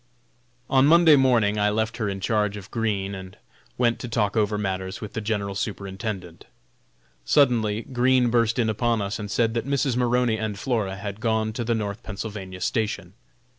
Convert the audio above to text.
On Monday morning I left her in charge of Green and went to talk over matters with the General Superintendent. Suddenly Green burst in upon us and said that Mrs. Maroney and Flora had gone to the North Pennsylvania station.